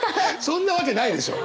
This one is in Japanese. そんなわけないでしょ。